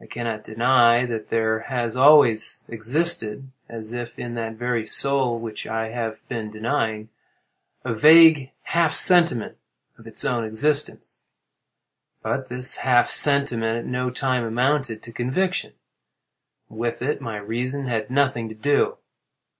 I cannot deny that there has always existed, as if in that very soul which I have been denying, a vague half sentiment of its own existence. But this half sentiment at no time amounted to conviction. With it my reason had nothing to do.